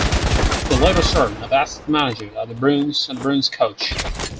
He later served as the assistant manager of the Bruins and the Bruins' coach.